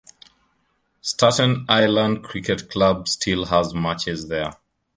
The Staten Island Cricket Club still has matches there.